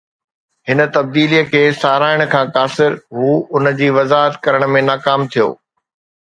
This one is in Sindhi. هن تبديلي کي ساراهڻ کان قاصر، هو ان جي وضاحت ڪرڻ ۾ ناڪام ٿيو